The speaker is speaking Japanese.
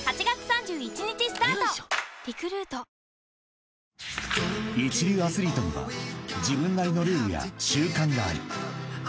本麒麟［一流アスリートには自分なりのルールや習慣がある］